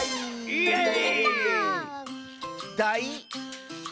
イエイ！